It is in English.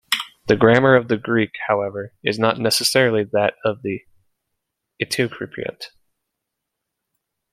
The grammar of the Greek, however, is not necessarily that of the Eteocypriot.